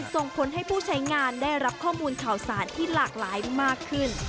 ส่งผลให้ผู้ใช้งานได้รับข้อมูลข่าวสารที่หลากหลายมากขึ้น